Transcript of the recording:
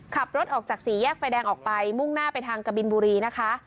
ขับรถออกจากสี่แยกไฟแดงออกไปมุ่งหน้าไปทางกะบินบุรีนะคะ